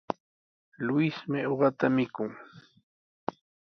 Luismi uqata mikun.